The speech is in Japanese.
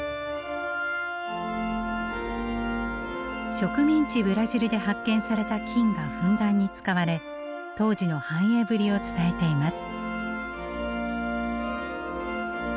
植民地ブラジルで発見された金がふんだんに使われ当時の繁栄ぶりを伝えています。